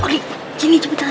oke sini cepetan